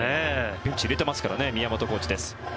ベンチに入れてますからね宮本コーチです。